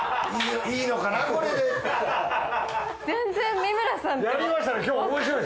全然三村さん。